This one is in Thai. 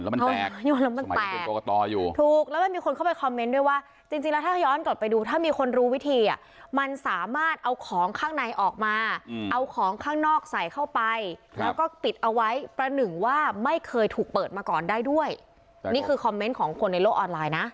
มันแตกอยู่แล้วมันแตกเป็นกรกตอยู่ถูกแล้วมันมีคนเข้าไปคอมเมนต์ด้วยว่าจริงจริงแล้วถ้าย้อนกลับไปดูถ้ามีคนรู้วิธีอ่ะมันสามารถเอาของข้างในออกมาเอาของข้างนอกใส่เข้าไปแล้วก็ปิดเอาไว้ประหนึ่งว่าไม่เคยถูกเปิดมาก่อนได้ด้วยนี่คือคอมเมนต์ของคนในโลกออนไลน์นะ